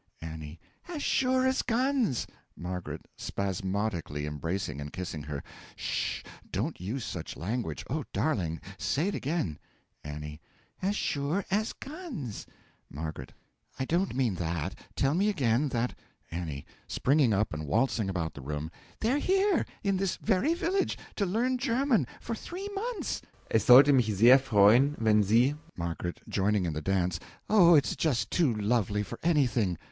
A. As sure as guns! M. (Spasmodically embracing and kissing her.) 'Sh! don't use such language. O darling, say it again! A. As sure as guns! M. I don't mean that! Tell me again, that A. (Springing up and waltzing about the room.) They're here in this very village to learn German for three months! Es sollte mich sehr freuen wenn Sie M. (Joining in the dance.) Oh, it's just too lovely for anything!